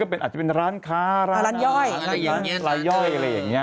อาจจะเป็นร้านค้าร้านย่อยอะไรอย่างนี้